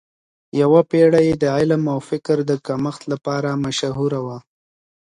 یوه پیړۍ د علم او فکر د کمښت لپاره مشهوره وه.